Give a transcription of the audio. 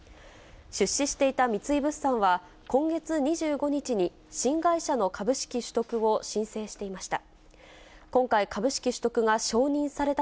出資していた三井物産は、今月２５日に、新会社の株式取得を申請していました。